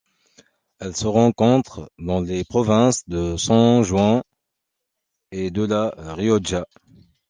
Elle se rencontre dans les provinces de San Juan et de La Rioja.